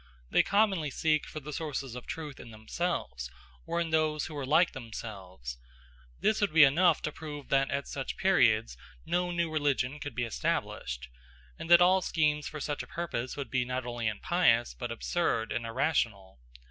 They commonly seek for the sources of truth in themselves, or in those who are like themselves. This would be enough to prove that at such periods no new religion could be established, and that all schemes for such a purpose would be not only impious but absurd and irrational.